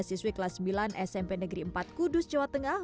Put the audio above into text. siswi kelas sembilan smp negeri empat kudus jawa tengah